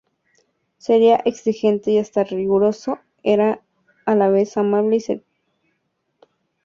Seria, exigente y hasta rigurosa, era a la vez amable y cercana.